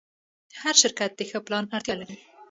هر شرکت د ښه پلان اړتیا لري.